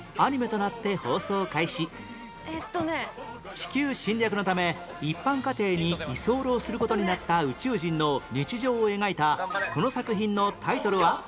地球侵略のため一般家庭に居候する事になった宇宙人の日常を描いたこの作品のタイトルは？